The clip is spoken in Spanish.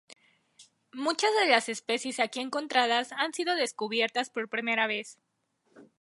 Muchas de las especies aquí encontradas han sido descubiertas por primera vez.